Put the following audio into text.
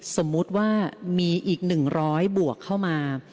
สมมุติว่ามีอีก๑๐๐บวกเข้ามา